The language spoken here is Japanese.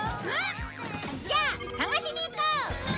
じゃあ、探しに行こう！